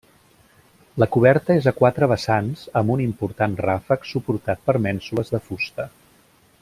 La coberta és a quatre vessants amb un important ràfec suportat per mènsules de fusta.